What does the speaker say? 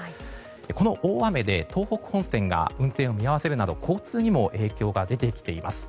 この大雨で東北本線が運転を見合わせるなど交通にも影響が出てきています。